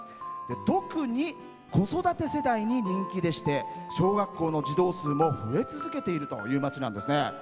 特に子育て世代に人気でして小学校の児童数も増え続けているという町なんですね。